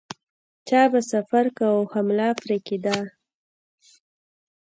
چا به سفر کاوه حمله پرې کېده.